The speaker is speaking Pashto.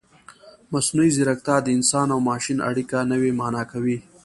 مصنوعي ځیرکتیا د انسان او ماشین اړیکه نوې مانا کوي.